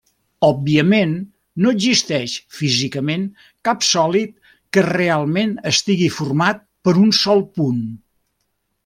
Òbviament no existeix físicament cap sòlid que realment estigui format per un sol punt.